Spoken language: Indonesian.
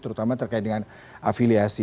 terutama terkait dengan afiliasi